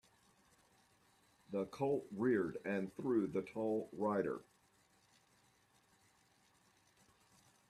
The colt reared and threw the tall rider.